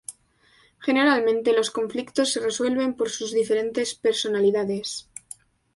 Generalmente, los conflictos se resuelven por sus diferentes personalidades.